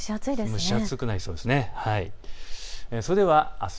蒸し暑くなりそうです。